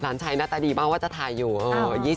หลานชายหน้าตาดีมากว่าจะถ่ายอยู่